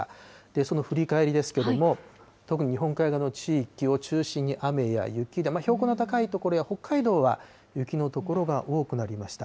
その振り返りですけども、特に日本海側の地域を中心に雨や雪で、標高の高い所や北海道は雪の所が多くなりました。